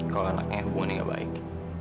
kalau anaknya hubungannya gak baik